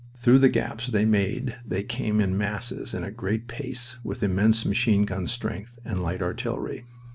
Through the gaps they made they came in masses at a great pace with immense machine gun strength and light artillery.